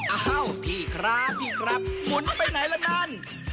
อ้าวพี่ครับหมุนไปไหนละนั่น